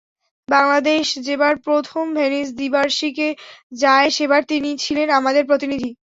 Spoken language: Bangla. বাংলাদেশ যেবার প্রথম ভেনিস দ্বিবার্ষিকে যায় সেবার তিনি ছিলেন আমাদের প্রতিনিধি।